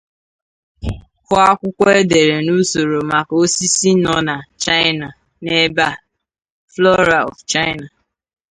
Hụ akwụkwọ e dere n’usoro maka osisi nọ na Chaịna n’ebe a: Flora of China.